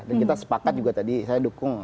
dan kita sepakat juga tadi saya dukung